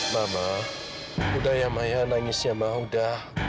mama udah ya ma ya nangis ya ma udah